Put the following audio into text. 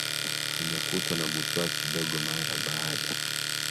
nimekutwa na butwaa kidogo mara baada